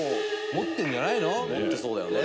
持ってそうだよね。